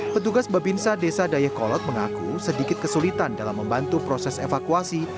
petugas bebinsa desa dayeh kolot mengaku sedikit kesulitan dalam membantu proses evakuasi